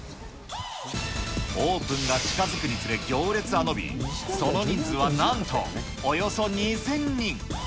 オープンが近づくにつれ、行列は伸び、その人数はなんと、およそ２０００人。